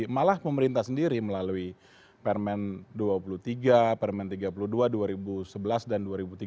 malah pemerintah sendiri melalui permen dua puluh tiga permen tiga puluh dua dua ribu sebelas dan dua ribu tiga belas